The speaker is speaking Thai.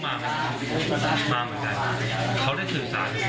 มีใครบุร่ากันอย่างนี้